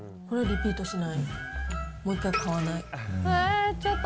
これはリピートしない。